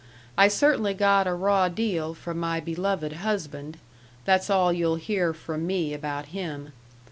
I certainly got a raw deal from my beloved husband that's all you'll hear from me about him.